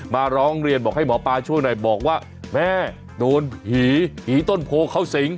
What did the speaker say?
มาร้องเรียนบอกให้หมอปลาช่วยหน่อยบอกว่าแม่โดนผีผีต้นโพเข้าสิง